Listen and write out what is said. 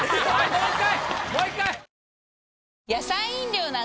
もう一回！